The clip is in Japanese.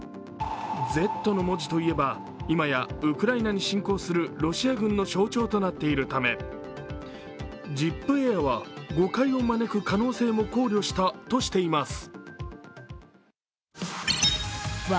「Ｚ」の文字といえば、今やウクライナに侵攻するロシア軍の象徴となっているためジップエアは誤解を招く可能性も考慮したとしています。